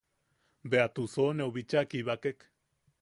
Bea Tusoneu bicha kibakek.